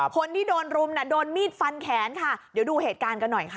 คนที่โดนรุมน่ะโดนมีดฟันแขนค่ะเดี๋ยวดูเหตุการณ์กันหน่อยค่ะ